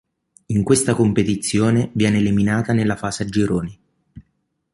In questa competizione viene eliminata nella fase a gironi.